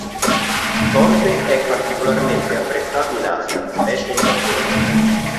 Thorpe è particolarmente apprezzato in Asia, specie in Giappone.